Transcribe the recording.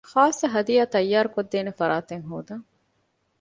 ޚާއްޞަ ހަދިޔާ ތައްޔާރު ކޮށްދޭނެ ފަރާތެއް ހޯދަން